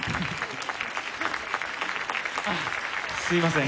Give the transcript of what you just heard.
すいません。